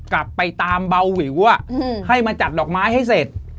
กลับไปตามเบาวิวให้มาจัดดอกไม้ให้เสร็จ